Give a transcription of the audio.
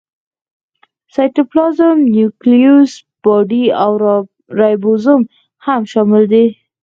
سایټوپلازم، نیوکلیوس باډي او رایبوزوم هم شامل دي.